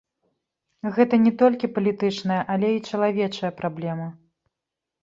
Гэта не толькі палітычная, але і чалавечая праблема.